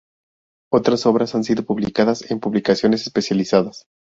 Otras obras han sido publicadas en publicaciones especializadas.